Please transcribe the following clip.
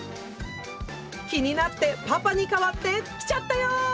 気になってパパに代わって来ちゃったよ！